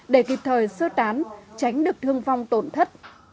để kịp thời sơ tán tránh được thương vong tổn thất